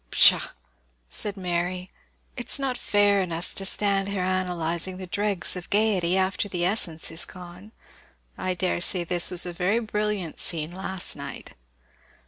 "Pshaw!" said Mary, "it is not fair in us to stand here analysing the dregs of gaiety after the essence is gone. I daresay this was a very brilliant scene last night."